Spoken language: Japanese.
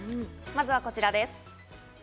まずはこちらです。